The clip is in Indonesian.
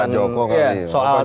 sebaiknya itu diperhatikan